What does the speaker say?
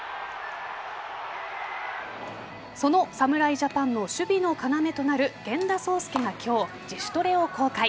その侍ジャパンの守備の要となる源田壮亮が今日、自主トレを公開。